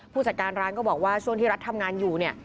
ผู้จัดการร้านก็บอกว่าช่วงที่รัฐทำงานอยู่เนี่ย